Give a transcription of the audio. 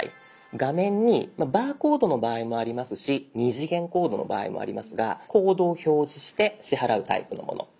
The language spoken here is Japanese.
画面にバーコードの場合もありますし２次元コードの場合もありますがコードを表示して支払うタイプのもの。